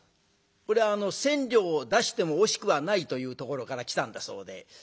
これは千両を出しても惜しくはないというところから来たんだそうで。